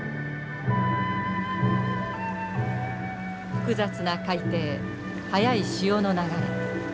複雑な海底速い潮の流れ。